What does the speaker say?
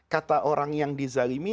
kata orang yang di zalimi